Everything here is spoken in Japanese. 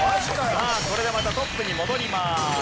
さあこれでまたトップに戻ります。